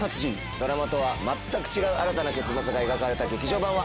ドラマとは全く違う新たな結末が描かれた劇場版は。